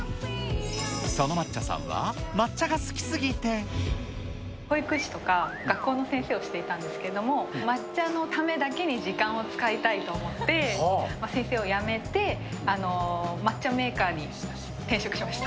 そのまっちゃさんは、保育士とか学校の先生をしていたんですけども、抹茶のためだけに時間を使いたいと思って、先生を辞めて、えー！